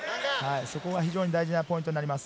そこが非常に大事なポイントになります。